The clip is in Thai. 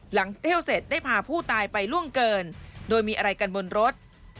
หลังเที่ยวเสร็จได้พาผู้ตายไปล่วงเกินโดยมีอะไรกันบนรถ